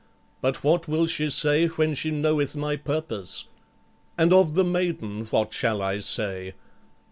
But what will she say when she knoweth my purpose? And of the maiden, what shall I say?